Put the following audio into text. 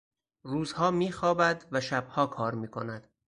روزها میخوابد و شبها کار میکند.